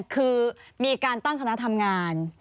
คือมีการตั้งคณะทำงาน